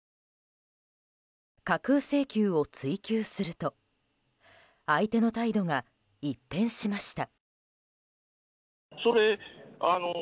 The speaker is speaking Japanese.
架空請求を追及すると相手の態度が一変しました。